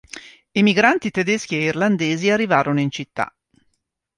Emigranti tedeschi e irlandesi arrivarono in città.